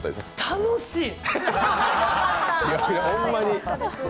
楽しい！